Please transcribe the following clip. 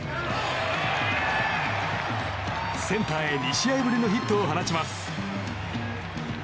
センターへ２試合ぶりのヒットを放ちます。